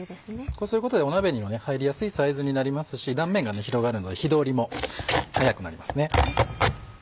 こうすることで鍋にも入りやすいサイズになりますし断面が広がるので火通りも早くなりますね。